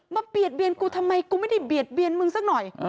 เบียดเบียนกูทำไมกูไม่ได้เบียดเบียนมึงสักหน่อย